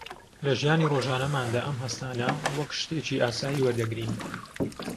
لە ژیانی ڕۆژانەماندا ئەم هەستانە وەک شتێکی ئاسایی وەردەگرین